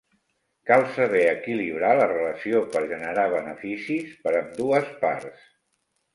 Cal saber equilibrar la relació per generar beneficis per ambdues parts.